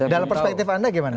dalam perspektif anda gimana